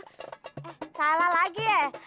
eh salah lagi ya